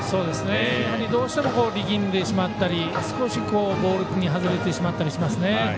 やはりどうしても力んでしまったり少し外れてしまったりしますね。